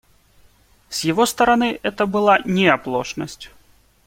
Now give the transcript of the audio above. С его стороны это была не оплошность.